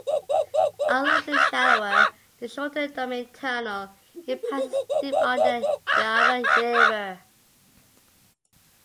Unlike the shallower and shorter Domain Tunnel, it passes deep under the Yarra River.